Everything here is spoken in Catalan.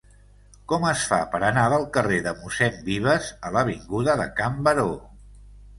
Com es fa per anar del carrer de Mossèn Vives a l'avinguda de Can Baró?